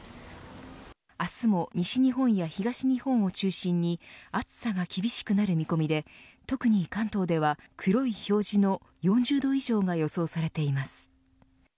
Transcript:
明日も西日本や東日本を中心に暑さが厳しくなる見込みで特に関東では黒い表示の４０度以上が予想されています。